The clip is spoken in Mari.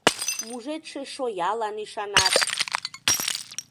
Мужедше шоялан ӱшанат!